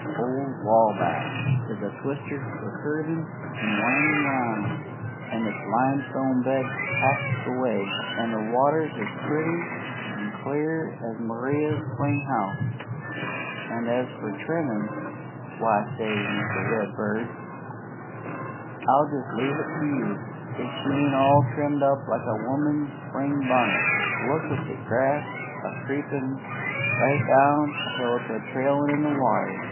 "Old Wabash is a twister for curvin' and windin' round, an' it's limestone bed half the way, an' the water's as pretty an' clear as in Maria's springhouse. An' as for trimmin', why say, Mr. Redbird, I'll jest leave it to you if she ain't all trimmed up like a woman's spring bunnit. Look at the grass a creepin' right down till it's a trailin' in the water!